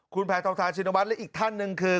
คุณแพทองทานชินวัฒน์และอีกท่านหนึ่งคือ